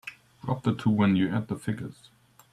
Drop the two when you add the figures.